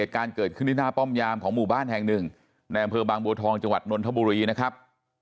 การเกิดขึ้นที่หน้าป้อมยามของหมู่บ้านแห่งหนึ่งในอำเภอบางบัวทองจังหวัดนนทบุรีนะครับ